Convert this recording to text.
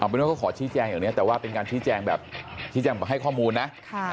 เป็นว่าเขาขอชี้แจงอย่างนี้แต่ว่าเป็นการชี้แจงแบบชี้แจงให้ข้อมูลนะ